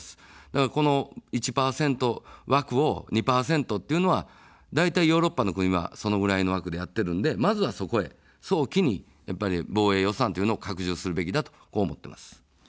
だからこの１％枠を２％というのは、だいたいヨーロッパの国はそのぐらいの枠でやっているので、まずはそこへ早期に防衛予算というのを拡充するべきだと思っています。